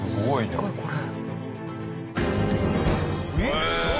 すごいこれ。